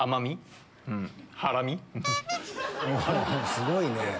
すごいね。